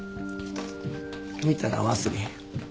見たら忘れへん。